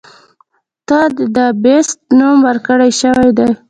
ته د “The Beast” نوم ورکړے شوے دے.